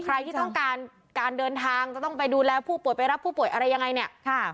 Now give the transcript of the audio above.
ใครที่ต้องการการเดินทางจะต้องไปดูแลผู้ป่วยไปรับผู้ป่วยอะไรยังไงเนี่ยค่ะ